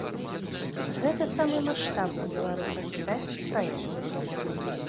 Гэта самы маштабны беларуска-кітайскі праект.